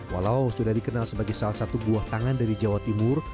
walau sudah dikenal sebagai salah satu buah tangan dari jawa timur